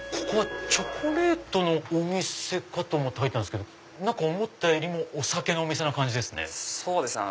チョコレートのお店かと思って入ったんですけど思ったよりもお酒のお店な感じですね。